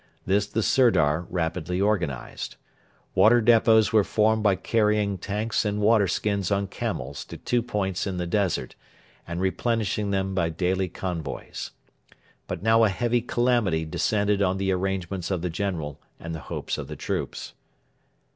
This the Sirdar rapidly organised. Water depots were formed by carrying tanks and water skins on camels to two points in the desert, and replenishing them by daily convoys. But now a heavy calamity descended on the arrangements of the General and the hopes of the troops.